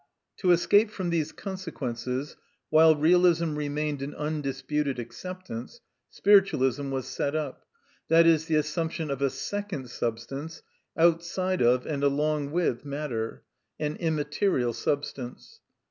To escape from these consequences, while realism remained in undisputed acceptance, spiritualism was set up, that is, the assumption of a second substance outside of and along with matter, an immaterial substance.